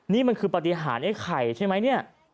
นี่มันคือปฏิหารไอ้ไข่ใช่ไหมเนี่ย